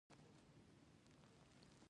په داوطلبانه توګه ملګري شوي وه.